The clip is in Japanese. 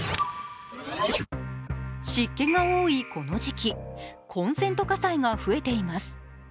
湿気が多いこの時期、コンセント火災が増えています。